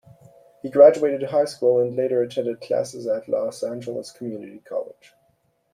He graduated high school, and later attended classes at Los Angeles Community College.